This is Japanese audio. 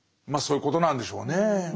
まあそういうことなんでしょうねぇ。